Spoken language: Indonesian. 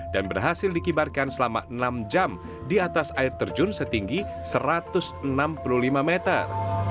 dan berhasil dikibarkan selama enam jam di atas air terjun setinggi satu ratus enam puluh lima meter